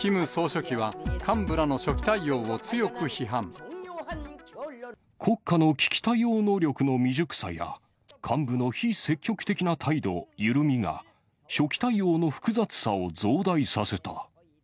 キム総書記は、国家の危機対応能力の未熟さや、幹部の非積極的な態度、緩みが初期対応の複雑さを増大させた。